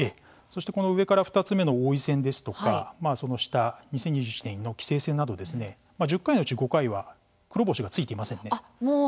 そしてこの上から２つ目の王位戦ですとかその下、２０２１年の棋聖戦など１０回のうち５回は黒星がついていませんね。